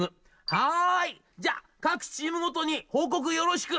「はーい！じゃあ各チームごとに報告よろしく。